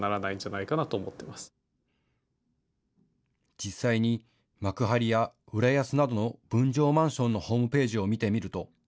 実際に幕張や浦安などの分譲マンションのホームページを見てみると。